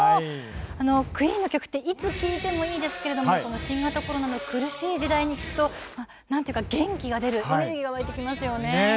クイーンの曲いつ聴いてもいいですけれども新型コロナの苦しい時代に聴くと、元気が出るエネルギーが湧いてきます。